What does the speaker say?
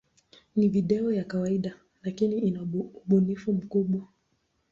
Ni video ya kawaida, lakini ina ubunifu mkubwa.